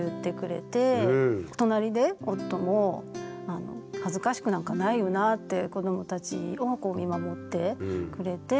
隣で夫も「恥ずかしくなんかないよな」って子どもたちを見守ってくれて。